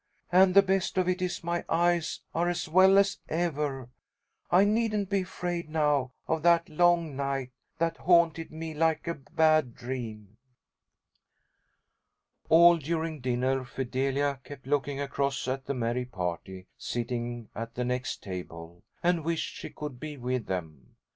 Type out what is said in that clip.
And the best of it is my eyes are as well as ever. I needn't be afraid, now, of that 'long night' that haunted me like a bad dream." All during dinner Fidelia kept looking across at the merry party sitting at the next table, and wished she could be with them.